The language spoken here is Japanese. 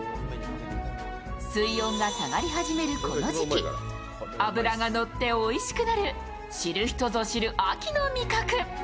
水温が下がり始めるこの時期、脂がのっておいしくなる知る人ぞ知る秋の味覚。